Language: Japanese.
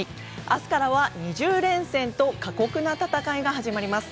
明日からは２０連戦と過酷な戦いが始まります。